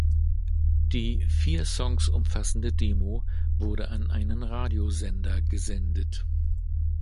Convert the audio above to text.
Die vier Songs umfassende Demo wurde an einen Radiosender gesendet.